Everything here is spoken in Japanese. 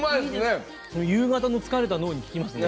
夕方の疲れた脳にききますね。